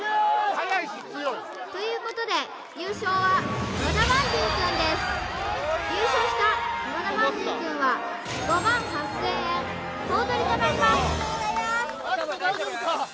はやいし強いということで優勝は和田まんじゅうくんです優勝した和田まんじゅうくんは５万８０００円総取りとなりますおめでとうございまーすアキト大丈夫か？